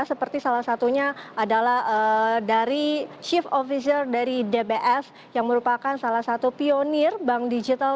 seperti salah satunya adalah dari chief officer dari dbs yang merupakan salah satu pionir bank digital